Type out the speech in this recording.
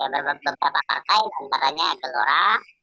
beberapa partai antaranya ekelora